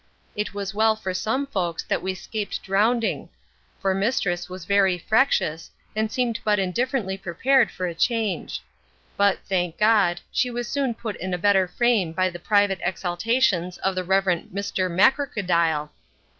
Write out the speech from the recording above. It was well for some folks that we scaped drownding; for mistress was very frexious, and seemed but indifferently prepared for a change; but, thank God, she was soon put in a better frame by the private exaltations of the reverend Mr Macrocodile.